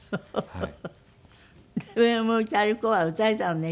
はい。